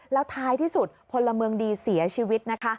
แล้วท้ายที่สุดพลเมืองดีเสียชีวิตนะคะ